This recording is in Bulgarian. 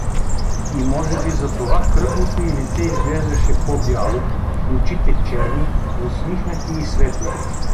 И може би затова кръглото й лице изглеждаше по-бяло, очите черни, усмихнати и светли.